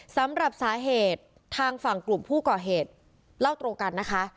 สำหรับสาเหตุทางฝั่งกลุ่มผู้ก่อเหตุเล่าตรงกันนะคะ